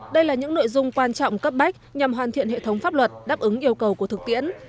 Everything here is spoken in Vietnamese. đây là những nội dung quan trọng cấp bách nhằm hoàn thiện hệ thống pháp luật đáp ứng yêu cầu của thực tiễn